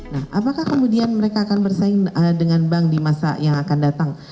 nah apakah kemudian mereka akan bersaing dengan bank di masa yang akan datang